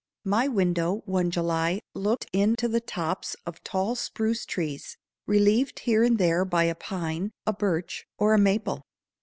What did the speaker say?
My window one July looked into the tops of tall spruce trees, relieved here and there by a pine, a birch, or a maple.